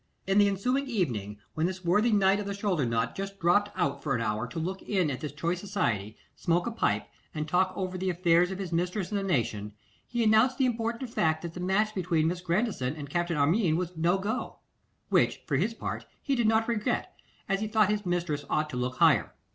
In the ensuing evening, when this worthy knight of the shoulder knot just dropped out for an hour to look in at this choice society, smoke a pipe, and talk over the affairs of his mistress and the nation, he announced the important fact that the match between Miss Grandison and Captain Armine was 'no go,' which, for his part, he did not regret, as he thought his mistress ought to look higher.